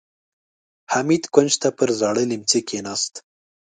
حميد کونج ته پر زاړه ليمڅي کېناست.